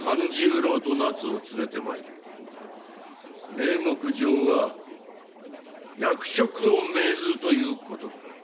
名目上は役職を命ずるということだ。